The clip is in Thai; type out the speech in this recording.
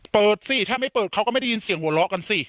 สิถ้าไม่เปิดเขาก็ไม่ได้ยินเสียงหัวเราะกันสิ